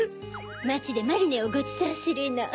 まちでマリネをごちそうするの。